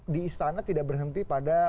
di istana tidak berhenti pada